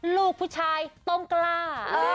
ลูกผู้ชายต้องกล้า